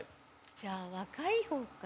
じゃあ若い方かな。